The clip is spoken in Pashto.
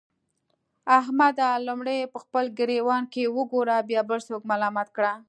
احمده! لومړی په خپل ګرېوان کې وګوره؛ بيا بل څوک ملامت کړه.